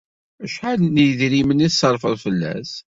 Acḥal n yidrimen i tṣerrfeḍ fell-as.